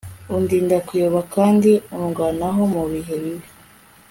undinda kuyoba kandi undwanaho mu bihe bibi